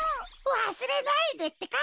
わすれないでってか。